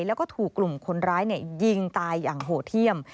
แล้วก็ถูกกลุ่มคนร้ายยิงตายอย่างโหดเที่ยม